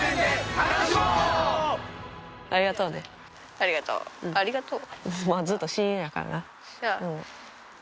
ありがとうありがとう？